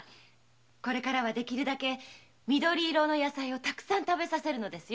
これからは緑色の野菜たくさん食べさせるのですよ。